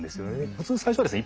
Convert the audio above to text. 普通最初はですね